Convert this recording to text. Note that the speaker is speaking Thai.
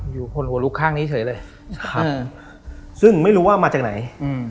อยู่คนหัวลุกข้างนี้เฉยเลยครับซึ่งไม่รู้ว่ามาจากไหน